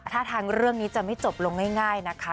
ถ้าทางเรื่องนี้จะไม่จบลงง่ายนะคะ